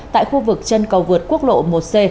tại khu vực chân cầu vượt quốc lộ một c